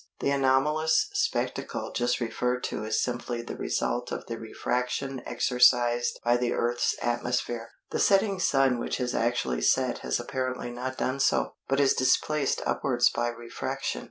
The anomalous spectacle just referred to is simply the result of the refraction exercised by the Earth's atmosphere. The setting Sun which has actually set has apparently not done so, but is displaced upwards by refraction.